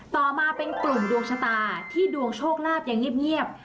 ต่อมาเป็นกลุ่มดวงชะตาที่ดวงโชคลาภยังเงียบ